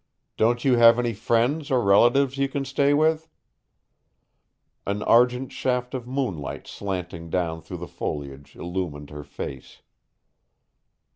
"Don't you have any friends or relatives you can stay with?" An argent shaft of moonlight slanting down through the foliage illumined her face.